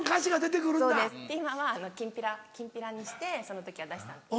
今はきんぴらきんぴらにしてその時は出したんです。